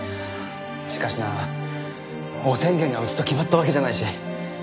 しかしな汚染源がうちと決まったわけじゃないし。